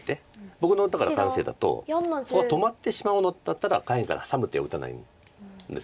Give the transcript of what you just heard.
僕のだから感性だとここは止まってしまうんだったら下辺からハサむ手を打たないんです。